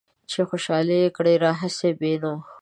چې خوشحال يې کړ دا هسې بې نوا